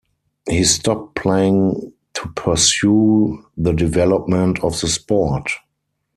He stopped playing to pursue the development of the sport.